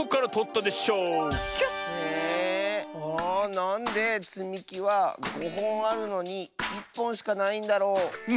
なんでつみきは５ほんあるのに１ぽんしかないんだろ？